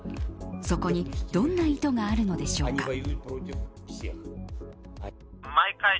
そこにどんな意図があるのでしょうか。